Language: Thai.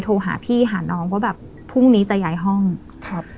โทรหาพี่หาน้องว่าแบบพรุ่งนี้จะย้ายห้องครับ